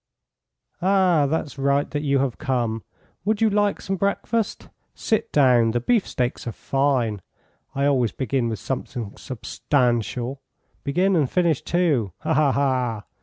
"Ah, that's right that you have come. Would you like some breakfast? Sit down, the beefsteaks are fine! I always begin with something substantial begin and finish, too. Ha! ha! ha!